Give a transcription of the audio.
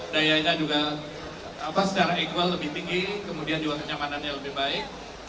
dayanya juga secara equal lebih tinggi kemudian juga kenyamanannya lebih baik